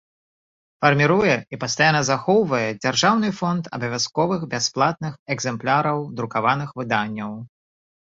Фармiруе i пастаянна захоўвае дзяржаўны фонд абавязковых бясплатных экзэмпляраў друкаваных выданняў.